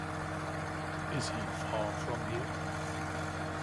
Is he far from here?